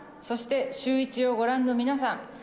そしてシューイチをご覧の皆さん。